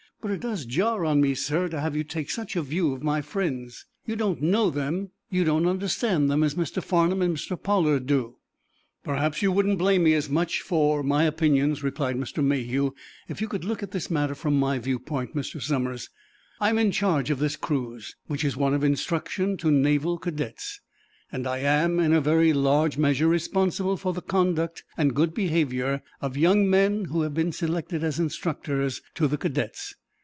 "But it does jar on me, sir, to have you take such a view of my friends. You don't know them; you don't understand them as Mr. Farnum and Mr. Pollard do." "Perhaps you wouldn't blame me as much for my opinions," replied Mr. Mayhew, "if you could look at the matter from my viewpoint, Mr. Somers. I am in charge of this cruise, which is one of instruction to naval cadets, and I am in a very large measure responsible for the conduct and good behavior of young men who have been selected as instructors to the cadets.